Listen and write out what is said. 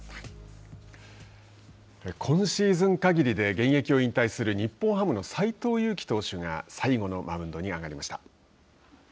今シーズン限りで現役を引退する日本ハムの斎藤佑樹投手が最後のマウンドに上がりました。